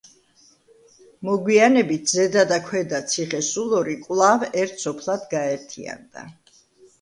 მოგვიანებით ზედა და ქვედა ციხესულორი კვლავ ერთ სოფლად გაერთიანდა.